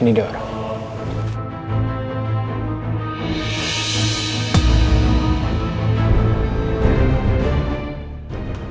ini dia orang